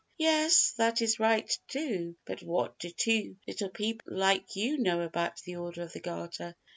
"Yes, that is right, too; but what do two little people like you know about the Order of the Garter?"